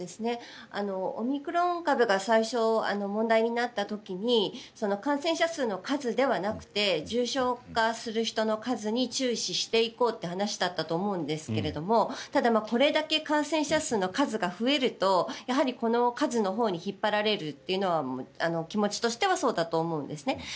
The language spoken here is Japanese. オミクロン株が最初、問題になった時に感染者数の数ではなくて重症化する人の数に注視していこうという話だったと思うんですけどただ、これだけ感染者数の数が増えるとやはり、この数のほうに引っ張られるというのは気持ちとしてはそうだと思うんですね。